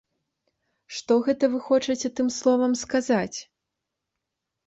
Што гэта вы хочаце тым словам сказаць?